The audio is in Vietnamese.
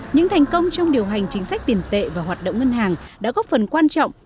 những thành công trong điều hành chính sách tiền tệ và hoạt động ngân hàng đã góp phần quan trọng